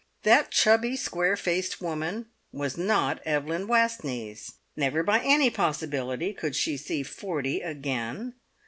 That chubby, square faced woman was not Evelyn Wastneys. Never by any possibility could she see forty again.